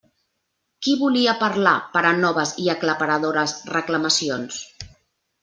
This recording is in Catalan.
Qui volia parlar per a noves i aclaparadores reclamacions?